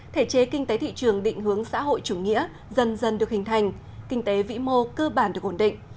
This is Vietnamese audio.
thể chế kinh tế thị trường định hướng xã hội chủ nghĩa dần dần được hình thành kinh tế vĩ mô cơ bản được ổn định